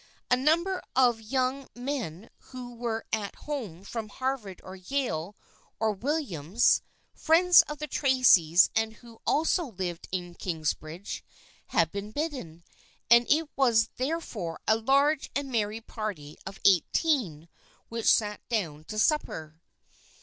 A number of young men who were at home from Harvard or Yale or Williams, friends of the Tracys and who also lived in Kingsbridge, had been bidden, and it was there fore a large and merry party of eighteen which sat down to supper.